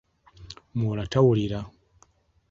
Moraa tawulira.